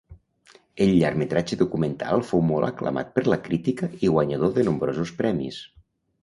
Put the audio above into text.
El llargmetratge documental fou molt aclamat per la crítica i guanyador de nombrosos premis.